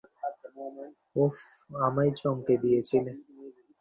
উফ, আমায় চমকে দিয়েছিলে।